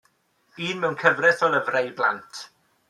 Un mewn cyfres o lyfrau i blant.